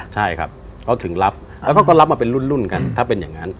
ใช่ครับเขาถึงรับแล้วเขาก็รับมาเป็นรุ่นกันถ้าเป็นอย่างนั้น